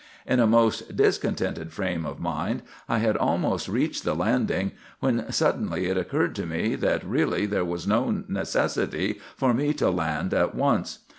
In a most discontented frame of mind I had almost reached the landing, when suddenly it occurred to me that really there was no necessity for me to land at once.